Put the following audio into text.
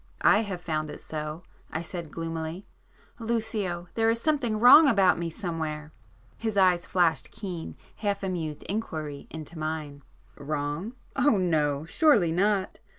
"I have found it so," I said gloomily—"Lucio, there is something wrong about me somewhere." His eyes flashed keen, half amused inquiry into mine. "Wrong? Oh no, surely not!